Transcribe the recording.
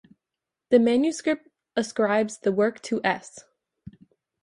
The manuscript ascribes the work to S.